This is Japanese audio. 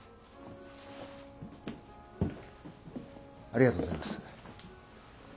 ありがとうございます。